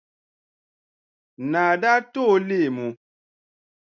Naa daa ti o leemu.